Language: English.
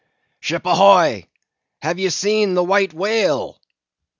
"Ship ahoy! Have ye seen the White Whale?"